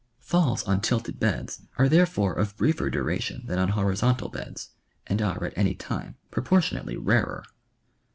Falls on tilted beds are therefore of briefer duration than on horizontal beds, and are at any time proportionately rarer.